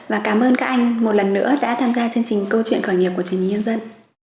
và cảm ơn các anh một lần nữa đã tham gia chương trình câu chuyện khởi nghiệp của truyền hình nhân dân